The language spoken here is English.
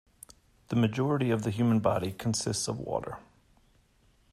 The majority of the human body consists of water.